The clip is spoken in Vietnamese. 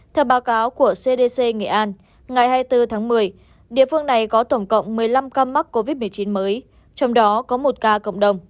theo báo cáo của cdc nghệ an ngày hai mươi bốn tháng một mươi địa phương này có tổng cộng một mươi năm ca mắc covid một mươi chín mới trong đó có một ca cộng đồng